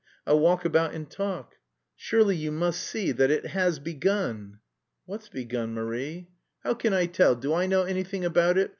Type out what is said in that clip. I'll walk about and talk...." "Surely you must see that it has begun!" "What's begun, Marie?" "How can I tell! Do I know anything about it?...